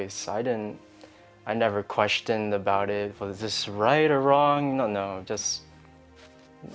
saya tidak pernah bertanya tanya apakah ini benar atau salah